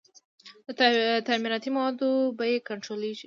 د تعمیراتي موادو بیې کنټرولیږي؟